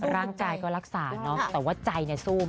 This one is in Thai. รั่งใจก็รักษาเนอะแต่ว่าใจเนี่ยสู้มาก